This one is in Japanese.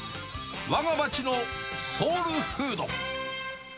わが町のソウルフード。